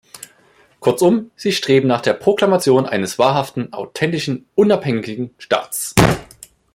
Kurzum, sie streben nach der Proklamation eines wahrhaften, authentischen, unabhängigen Staats.